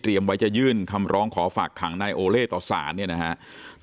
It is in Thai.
เตรียมจะยื่นคำร้องขอฝากขังในโอเลต่อศาล